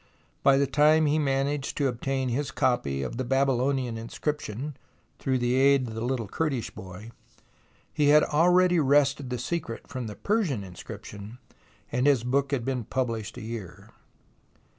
By the time he managed to obtain his copy of the Babylonian inscription through the aid of the little Kurdish boy, he had already wrested the secret from the Persian in scription, and his book had been published a year.